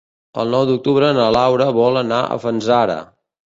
El nou d'octubre na Laura vol anar a Fanzara.